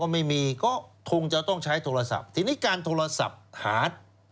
ไม่มีก็คงจะต้องใช้โทรศัพท์ทีนี้การโทรศัพท์หา